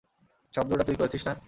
শব্দটা তুই করেছিস না?